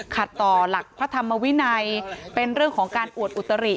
ต่อหลักพระธรรมวินัยเป็นเรื่องของการอวดอุตริ